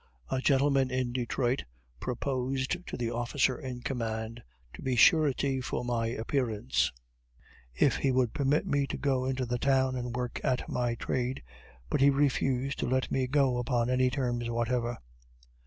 A gentleman in Detroit proposed to the officer in command, to be surety for my appearance, if he would permit me to go into the town and work at my trade, but he refused to let me go upon any terms whatever.